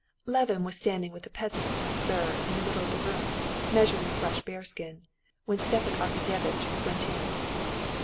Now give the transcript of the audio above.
Levin was standing with a peasant from Tver in the middle of the room, measuring a fresh bearskin, when Stepan Arkadyevitch went in.